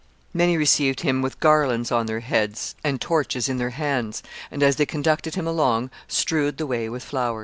Many received him with garlands on their heads and torches in their hands, and, as they conducted him along, strewed the way with flowers.